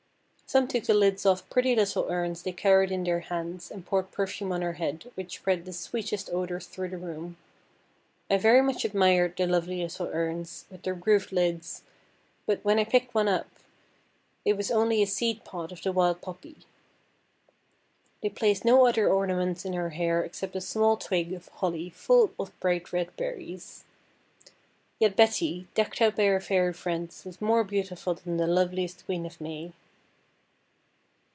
Some took the lids off pretty little urns they carried in their hands, and poured perfume on her head, which spread the sweetest odours through the room. I very much admired the lovely little urns, with their grooved lids, but when I picked one up, it was only a seed pod of the wild Poppy. They placed no other ornament in her hair except a small twig of holly full of bright red berries. Yet Betty, decked out by her Fairy friends, was more beautiful than the loveliest Queen of May.